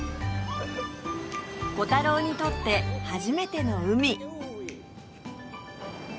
コタローにとって初めての海